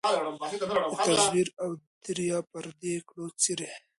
د تزویر او د ریا پردې کړو څیري